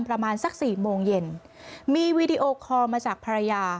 ประมาณสักสี่โมงเย็นมีวีดีโอคอลมาจากภรรยา